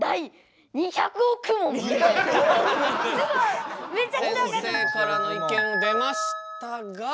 先生からの意見出ましたが。